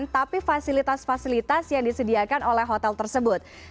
tapi fasilitas fasilitas yang disediakan oleh hotel tersebut